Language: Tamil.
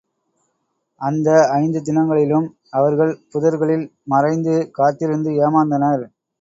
அந்த ஐந்து தினங்களிலும் அவர்கள் புதர்களில் மறைந்து காத்திருந்து ஏமாந்தனர்.